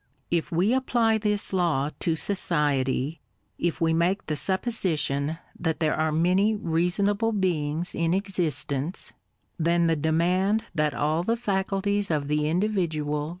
If we apply this law to society, — if we make the suppo sition that there are many reasonable beings in existence, — then the demand that all the faculties of the individual 40 PUBH in.